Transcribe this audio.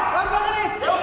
aduh lu mau berikut masjid